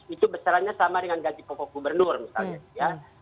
itu besarannya sama dengan ganti pokok gubernur misalnya